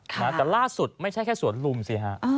แต่ล่าสุดไม่ใช่แค่สวนลุมสิฮะ